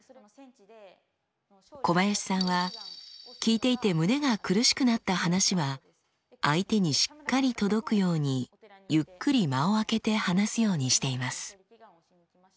小林さんは聞いていて胸が苦しくなった話は相手にしっかり届くようにゆっくり間をあけて話すようにしています。